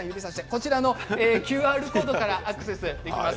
ＱＲコードからアクセスできます。